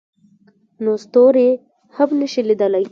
نو ستوري هم نه شي لیدلی.